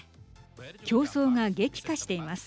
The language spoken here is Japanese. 競争が激化しています。